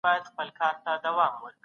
تعليم د ژوند له حالاتو سره بدلېږي.